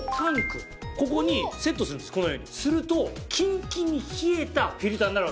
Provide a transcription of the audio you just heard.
ここにセットするとキンキンに冷えたフィルターになるわけですよ。